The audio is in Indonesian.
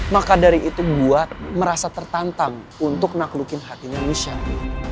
maka dari itu buat merasa tertantang untuk naklukin hatinya misalnya